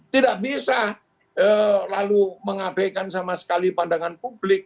tidak bisa lalu mengabaikan sama sekali pandangan publik